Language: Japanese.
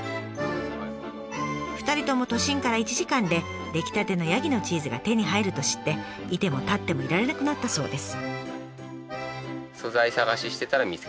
２人とも都心から１時間で出来たてのヤギのチーズが手に入ると知っていても立ってもいられなくなったそうです。